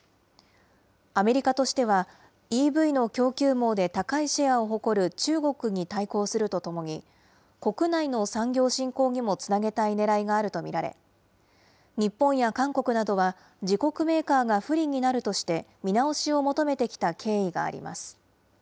アメリカとしては、ＥＶの供給網で高いシェアを誇る中国に対抗するとともに、国内の産業振興にもつなげたいねらいがあると見られ、日本や韓国などは、自国メーカーが不利になるとして、見直しを求めてきた経緯があります。